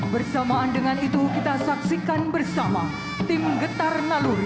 bersamaan dengan itu kita saksikan bersama tim getar naluri